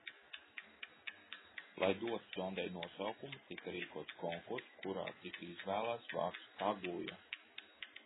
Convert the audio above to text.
Lai dotu zondei nosaukumu, tika rīkots konkurss, kurā tika izvēlēts vārds Kaguja.